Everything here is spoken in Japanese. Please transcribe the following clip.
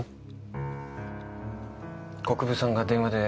国分さんが電話で。